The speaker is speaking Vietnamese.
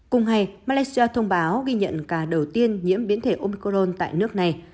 cùng hay malaysia thông báo ghi nhận ca đầu tiên nhiễm biến thể omicron tại nước này